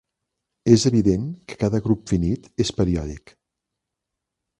És evident que cada grup finit és periòdic.